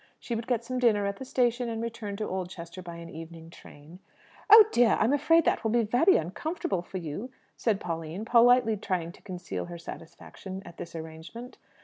She would get some dinner at the station, and return to Oldchester by an evening train. "Oh dear, I'm afraid that will be very uncomfortable for you!" said Pauline, politely trying to conceal her satisfaction at this arrangement.